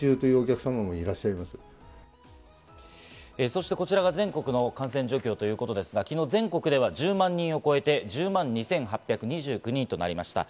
そしてこちらが全国の感染状況ということですが、昨日全国では１０万人を超えて、１０万２８２９人となりました。